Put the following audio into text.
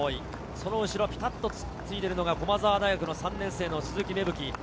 その後ろ、ピタッとついているのが駒澤大学の３年生・鈴木芽吹。